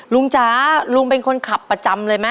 ลุงชาลุงเป็นคนขับประจำเลยมั้ย